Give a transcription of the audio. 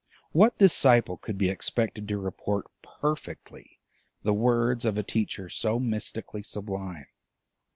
What disciple could be expected to report perfectly the words of a teacher so mystically sublime?